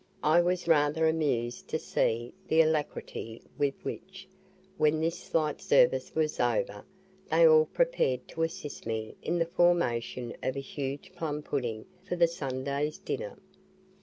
I was rather amused to see the alacrity with which, when this slight service was over, they all prepared to assist me in the formation of a huge plum pudding for the Sunday's dinner.